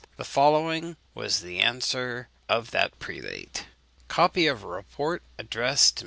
The following was the answer of that prelate: "Copy of a report addressed to M.